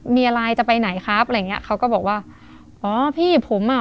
มีอะไรจะไปไหนครับอะไรอย่างเงี้ยเขาก็บอกว่าอ๋อพี่ผมอ่ะ